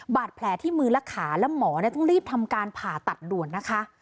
บาดแผลที่มือและขาและหมอต้องรีบทำการผ่าตัดด่วนนะคะ